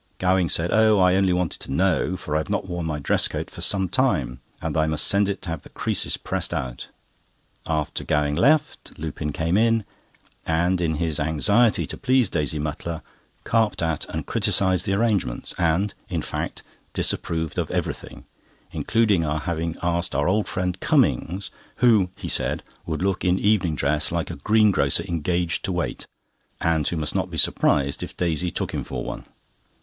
Gowing said: "Oh, I only wanted to know, for I have not worn my dress coat for some time, and I must send it to have the creases pressed out." After Gowing left, Lupin came in, and in his anxiety to please Daisy Mutlar, carped at and criticised the arrangements, and, in fact, disapproved of everything, including our having asked our old friend Cummings, who, he said, would look in evening dress like a green grocer engaged to wait, and who must not be surprised if Daisy took him for one.